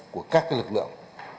của các lực lượng